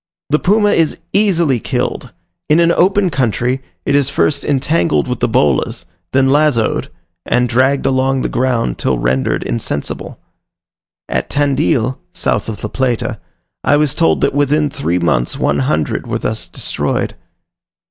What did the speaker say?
The puma is easily killed. In an open country, it is first entangled with the bolas, then lazoed, and dragged along the ground till rendered insensible. At Tandeel (south of the plata), I was told that within three months one hundred were thus destroyed.